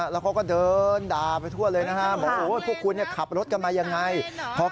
พวกเขาก็เดินด่าไปทั่วเลยบอกว่าครับพวกคุณส่งกลลเลย